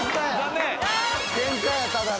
ケンカやただの。